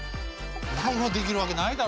逮捕できるわけないだろ。